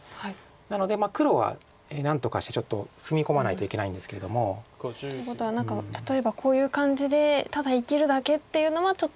なので黒は何とかしてちょっと踏み込まないといけないんですけれども。ということは何か例えばこういう感じでただ生きるだけっていうのはちょっと。